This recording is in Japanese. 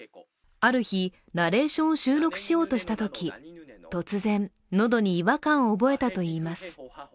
ある日、ナレーションを収録しようとしたとき、突然、喉に違和感を覚えたといいます。